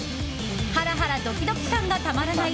ハラハラドキドキ感がたまらない